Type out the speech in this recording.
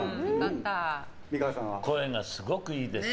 声がすごくいいです。